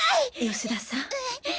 吉田さん。